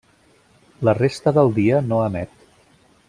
La resta del dia no emet.